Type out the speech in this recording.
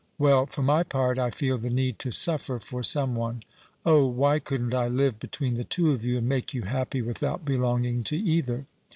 ... Well, for my part, I feel the need to suffer for some one. Oh ! why couldn't I live between the two of you and make you happy without belonging to either